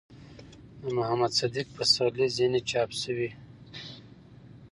،د محمد صديق پسرلي ځينې چاپ شوي